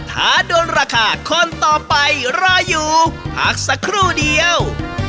ท้าดวนราคาคนต่อไปรออยู่พักสักครู่เดียว